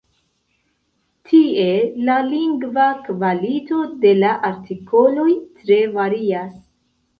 Tie la lingva kvalito de la artikoloj tre varias.